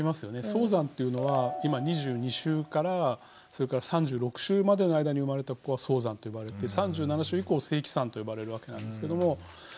早産っていうのは今２２週からそれから３６週までの間に生まれた子は早産と呼ばれて３７週以降正期産と呼ばれるわけなんですけども。